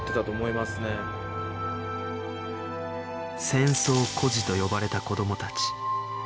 戦争孤児と呼ばれた子どもたち